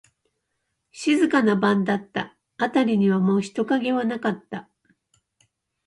静かな晩だった。あたりにはもう人影はなかった。